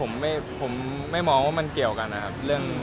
ผมไม่มองว่ามันเกี่ยวกันนะครับ